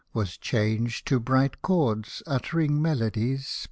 Was changed to bright chords utt'ring melody's spell.